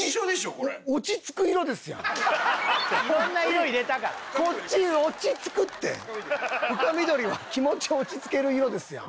これいろんな色入れたからこっち落ち着くって深緑は気持ち落ち着ける色ですやん